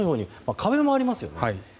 壁もありますよね。